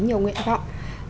nhiều nguyện gọi